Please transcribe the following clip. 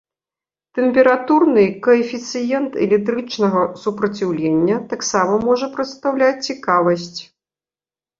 Тэмпературны каэфіцыент электрычнага супраціўлення таксама можа прадстаўляць цікавасць.